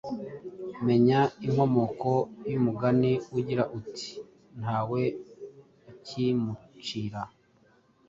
Menya inkomoko y'umugani ugira uti "Ntawe ukimucira